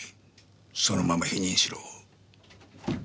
そのまま否認しろ。